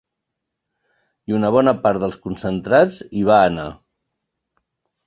I una bona part dels concentrats hi va anar.